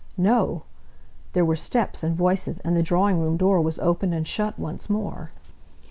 No! there were steps and voices, and the drawing room door was opened and shut once more.